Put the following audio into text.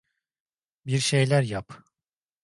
Bir şeyler yap.